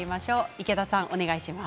池田さん、お願いします。